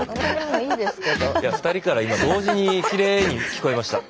いや２人から今同時にきれいに聞こえました。